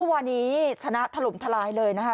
วันนี้ชนะถล่มทลายเลยนะคะ